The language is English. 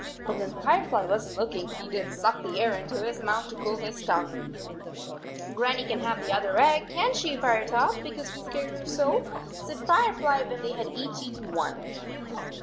But when Firefly was n t looking he did suck the air into his mouth to cool his tongue ! "Grannie can have the other egg, can t she, Firetop, because we scared her so," said Firefly, when they had each eaten one.